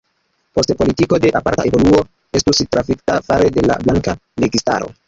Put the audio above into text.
Poste politiko de aparta evoluo estus traktita fare de la blanka registaro.